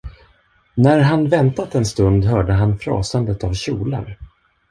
När han väntat en stund, hörde han frasandet av kjolar.